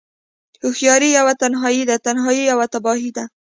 هوښياری يوه تنهايی ده، تنهايی يوه تباهی ده